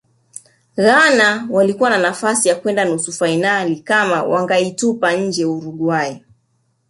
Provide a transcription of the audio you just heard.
ghana walikuwa na nafasi ya kwenda nusu fainali kama wangaitupa nje uruguay